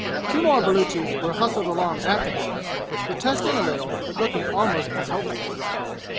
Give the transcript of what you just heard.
Two more Baluchis were hustled along after him, protesting a little, but looking almost as hopeless.